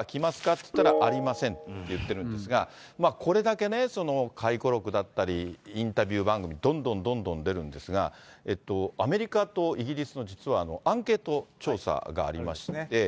っていったら、ありませんって言ってるんですが、これだけね、回顧録だったり、インタビュー番組、どんどんどんどん出るんですが、アメリカとイギリスの実はアンケート調査がありまして。